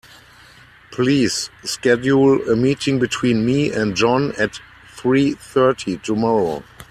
Please schedule a meeting between me and John at three thirty tomorrow.